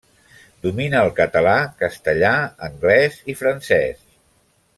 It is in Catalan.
Domina el català, castellà, anglès i francès.